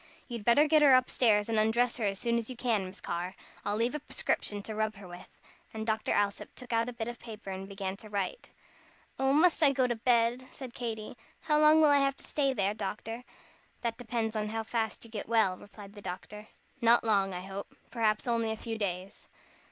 "You'd better get her up stairs and undress her as soon as you can, Miss Carr. I'll leave a prescription to rub her with." And Dr. Alsop took out a bit of paper and began to write. "Oh, must I go to bed?" said Katy. "How long will I have to stay there, doctor?" "That depends on how fast you get well," replied the doctor; "not long, I hope. Perhaps only a few days.